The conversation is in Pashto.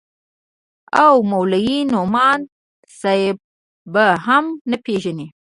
او مولوي نعماني صاحب به هم نه پېژنې.